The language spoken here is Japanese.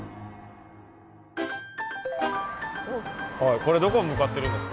これどこへ向かってるんですか？